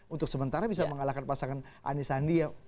untuk sementara bisa mengalahkan pasangan anies sandi